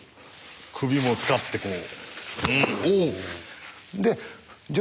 首も使ってこう。